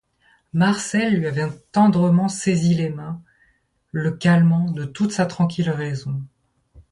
Marcelle lui avait tendrement saisi les mains, le calmant de toute sa tranquille raison.